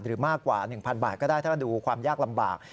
มากกว่า๑๐๐บาทก็ได้ถ้าดูความยากลำบาก